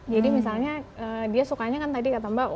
jadi misalnya dia sukanya kan tadi kata mbak